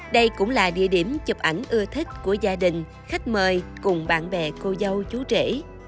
đây cũng là địa điểm chụp ảnh ưa thích của gia đình khách mời cùng bạn bè cô dâu chú trẻ